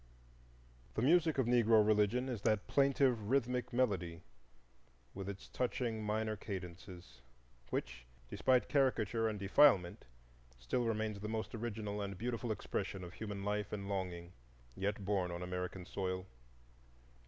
The Music of Negro religion is that plaintive rhythmic melody, with its touching minor cadences, which, despite caricature and defilement, still remains the most original and beautiful expression of human life and longing yet born on American soil.